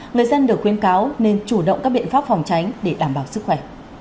người dân được khuyến cáo nên chủ động các biện pháp phòng tránh để đảm bảo sức khỏe